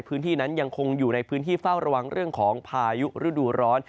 พื้นที่นั้นยังคงอยู่ในพื้นที่เฝ้าระวังเรื่องของพายุฤดูร้อน